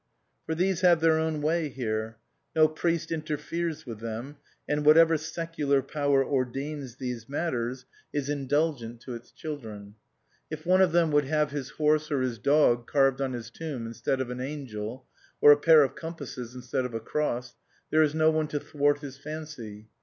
For these have their own way here. No priest interferes with them, and whatever secular power ordains these matters is indulgent 330 THE MAN AND THE WOMAN to its children. If one of them would have his horse or his dog carved on his tomb instead of an angel, or a pair of compasses instead of a cross, there is no one to thwart his fancy.